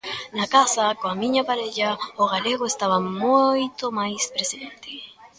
Na casa, coa miña parella, o galego estaba moito máis presente.